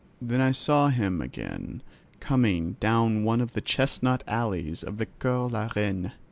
Then I saw him again coming down one of the chestnut alleys of the Cours la Reine.